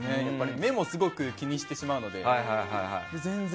目もすごく気にしてしまうので。